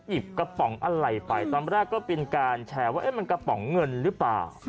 กระป๋องอะไรไปตอนแรกก็เป็นการแชร์ว่ามันกระป๋องเงินหรือเปล่า